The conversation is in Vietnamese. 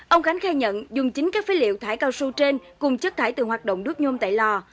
ông khánh khai nhận dùng chính các phế liệu thải cao su trên cùng chất thải từ hoạt động đút nhôm tại lò